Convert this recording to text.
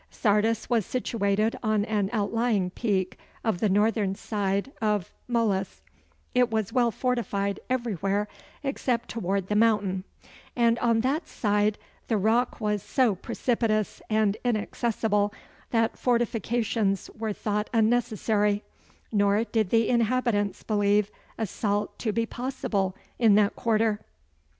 Sardis was situated on an outlying peak of the northern side of Tmolus; it was well fortified everywhere except toward the mountain; and on that side the rock was so precipitous and inaccessible, that fortifications were thought unnecessary, nor did the inhabitants believe assault to be possible in that quarter.